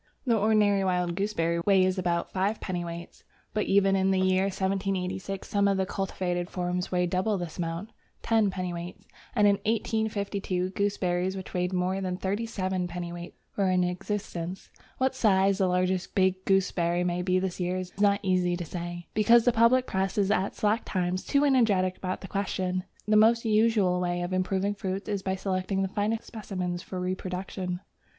The ordinary wild gooseberry weighs about 5 dwt. But even in the year 1786 some of the cultivated forms weighed double this amount (10 dwt.), and in 1852 gooseberries which weighed more than 37 dwt. were in existence. What size the largest big gooseberry may be this year is not very easy to say, because the public Press is at slack times too energetic about the question. The most usual way of improving fruits is by selecting the finest specimens for reproduction.